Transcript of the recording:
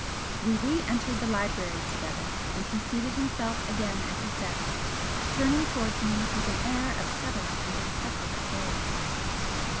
We re entered the library together, and he seated himself again at his desk, turning towards me with an air of settled and impressive authority.